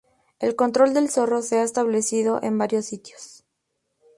El control del zorro se ha establecido en varios sitios.